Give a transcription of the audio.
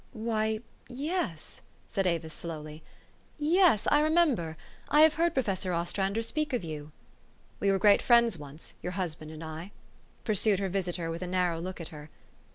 " Why yes," said Avis slowty, "yes, I remem ber. I have heard Professor Ostrander speak of you." "We were great friends once, your husband and I," pursued her visitor with a narrow look at her.